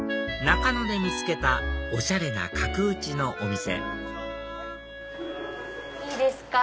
中野で見つけたおしゃれな角打ちのお店いいですか？